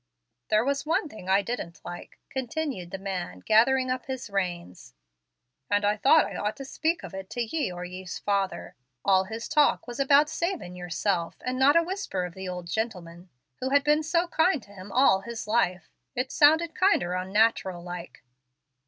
"There was one thing I didn't like," continued the man, gathering up his reins, "and I've thought I ought to speak of it to ye or ye's father. All his talk was about savin' yerself, and not a whisper of the ould gentleman, who has been so kind to him all his life. It sounded kinder onnatteral like."